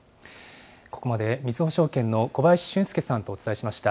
ここまで、みずほ証券の小林俊介さんとお伝えしました。